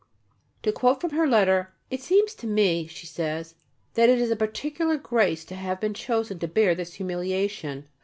To quote from her letter: "It seems to me," she says, "that it is a particular grace to have been chosen to bear this humiliation.